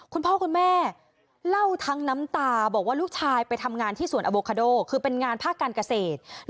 คุณพ่อคุณแม่เล่าทั้งน้ำตาบอกว่าลูกชายไปทำงานที่สวนอโวคาโดคือเป็นงานภาคการเกษตร